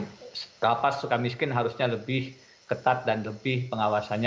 karena kalapas suka miskin harusnya lebih ketat dan lebih pengawasannya